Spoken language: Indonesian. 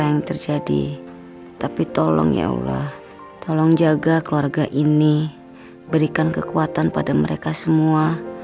apa yang terjadi tapi tolong ya allah tolong jaga keluarga ini berikan kekuatan pada mereka semua